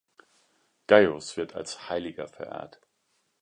Gaius wird als Heiliger verehrt.